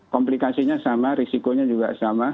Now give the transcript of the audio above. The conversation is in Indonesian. komplikasinya sama risikonya juga sama